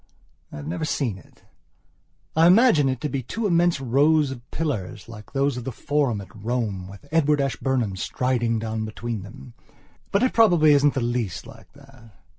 I have never seen it. I imagine it to be two immense rows of pillars, like those of the Forum at Rome, with Edward Ashburnham striding down between them. But it probably isn'tthe least like that.